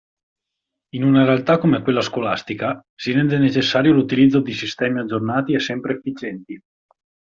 In una realtà come quella scolastica, si rende necessario l'utilizzo di sistemi aggiornati e sempre efficienti.